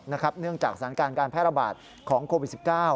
เนื่องจากสถานการณ์การแพร่ระบาดของโควิด๑๙